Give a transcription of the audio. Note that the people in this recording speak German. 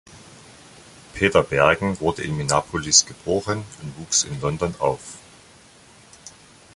Peter Bergen wurde in Minneapolis geboren und wuchs in London auf.